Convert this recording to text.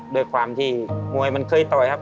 ด้วยความที่มวยมันเคยต่อยครับ